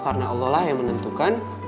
karena allah yang menentukan